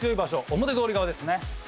表通り側ですね。